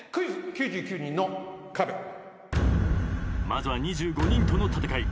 まずは２５人との戦い。